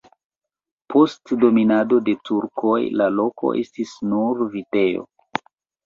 Post dominado de turkoj la loko estis nur vitejo.